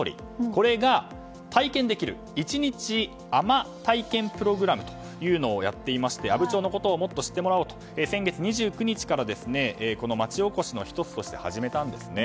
これが体験できる一日海士体験プログラムというのをやっていまして阿武町のことをもっと知ってもらおうと先月２９日から街おこしの１つとして始めたんですね。